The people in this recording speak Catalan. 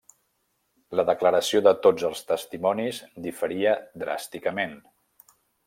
La declaració de tots els testimonis diferia dràsticament.